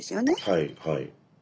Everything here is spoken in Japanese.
はいはい。